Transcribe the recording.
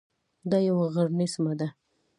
دا یوه غرنۍ سیمه ده.